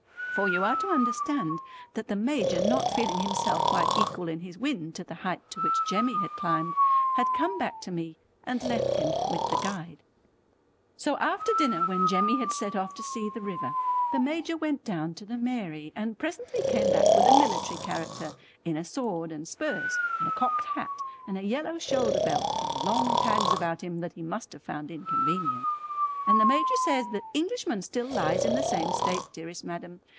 For you are to understand that the Major not feeling himself quite equal in his wind to the height to which Jemmy had climbed, had come back to me and left him with the Guide. So after dinner when Jemmy had set off to see the river, the Major went down to the Mairie, and presently came back with a military character in a sword and spurs and a cocked hat and a yellow shoulder belt and long tags about him that he must have found inconvenient. And the Major says "The Englishman still lies in the same state dearest madam.